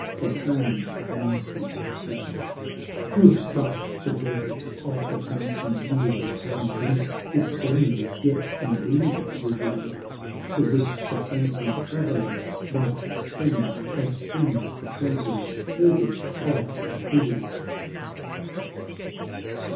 XCVII. Would but the Desert of the Fountain yield One glimpse if dimly, yet indeed, reveal'd, To which the fainting Traveler might spring, As springs the trampled herbage of the field!